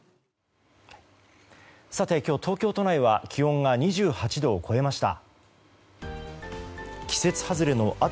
今日、東京都内は気温が２８度を超えました。